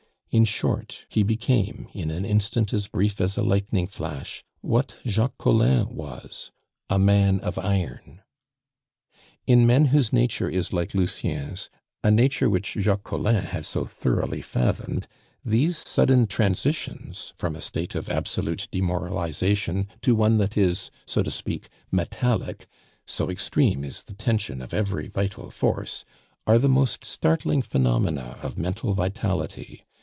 In short, he became, in an instant as brief as a lightning flash, what Jacques Collin was a man of iron. In men whose nature is like Lucien's, a nature which Jacques Collin had so thoroughly fathomed, these sudden transitions from a state of absolute demoralization to one that is, so to speak, metallic, so extreme is the tension of every vital force, are the most startling phenomena of mental vitality.